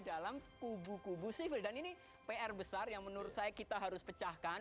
dalam kubu kubu sivil dan ini pr besar yang menurut saya kita harus pecahkan